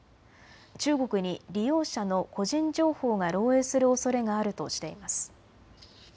中国に利用者の個人情報が漏えいするおそれがあるとしています。